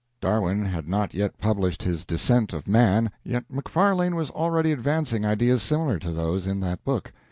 Darwin had not yet published his "Descent of Man," yet Macfarlane was already advancing ideas similar to those in that book.